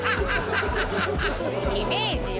イメージよ